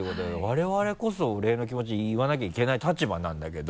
我々こそお礼の気持ち言わなきゃいけない立場なんだけど。